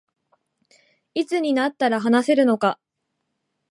いつになったら話せるか